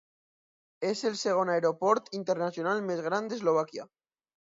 És el segon aeroport internacional més gran d'Eslovàquia.